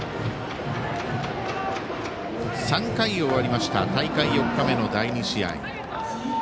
３回終わりました大会４日目の第２試合。